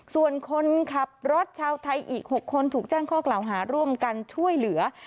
ส่วนคนขับรถชาวไทยอีก๖คนถูกแจ้งข้อกล่าวหาร่วมกันช่วยเหลือ